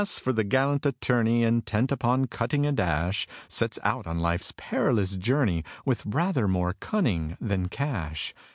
for the gallant attorney, Intent upon cutting a dash, Sets out on life's perilous journey With rather more cunning than cash.